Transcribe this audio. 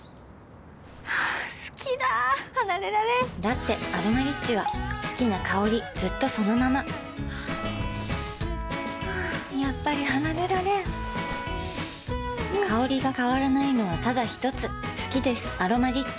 好きだ離れられんだって「アロマリッチ」は好きな香りずっとそのままやっぱり離れられん香りが変わらないのはただひとつ好きです「アロマリッチ」